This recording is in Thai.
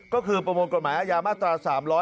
ก็คือประมวลกฎหมายอาญามาตรา๓๒